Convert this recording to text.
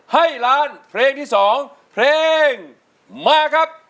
ให้ล้านเพลงที่๒เพลงมาครับ